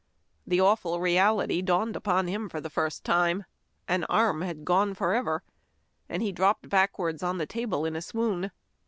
The awful reality dawned upon him for the first time. An arm had gone forever, and he dropped backwards on the table in a swoon.